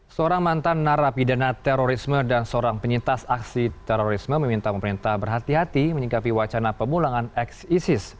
seorang mantan narapidana terorisme dan seorang penyintas aksi terorisme meminta pemerintah berhati hati menyikapi wacana pemulangan ex isis